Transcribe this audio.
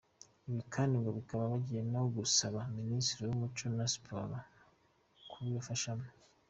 Ibi kandi ngo bakaba bagiye no gusaba r Minisiteri y’Umuco na Siporo kubibafashamo.